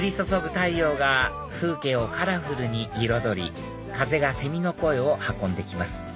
太陽が風景をカラフルに彩り風がセミの声を運んで来ます